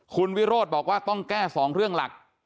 คุณวิโรธบอกว่าต้องแก้๒เรื่องหลัก